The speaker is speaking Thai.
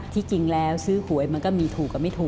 ที่จริงแล้วซื้อหวยมันก็มีถูก